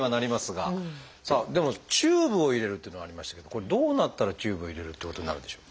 さあでもチューブを入れるっていうのありましたけどこれどうなったらチューブを入れるってことになるんでしょう？